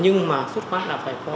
nhưng mà phút khoát là phải có